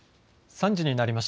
３時になりました。